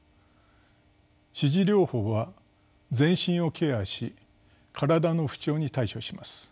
支持療法は全身をケアし身体の不調に対処します。